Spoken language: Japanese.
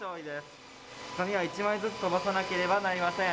・紙は一枚ずつ飛ばさなければなりません。